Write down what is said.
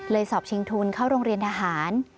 สอบชิงทุนเข้าโรงเรียนทหาร